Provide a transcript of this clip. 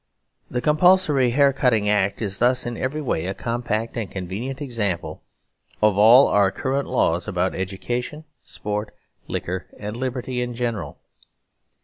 The Compulsory Haircutting Act is thus in every way a compact and convenient example of all our current laws about education, sport, liquor and liberty in general.